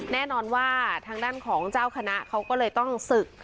แน่นอนว่าทางด้านของเจ้าคณะเขาก็เลยต้องศึก